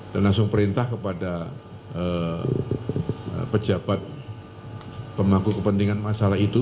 dan langsung perintah kepada pejabat pemangku kepentingan masalah itu